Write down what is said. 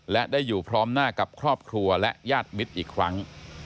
และได้อยู่พร้อมหน้ากับครอบครัวและญาติมิตรอีกครั้ง